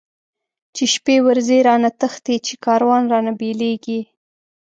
چی شپی ورځی رانه تښتی، چی کاروان رانه بيليږی